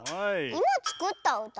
いまつくったうた？